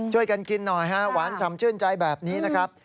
ช่วยกันกินหน่อยหวานชำชื่นใจแบบนี้นะครับ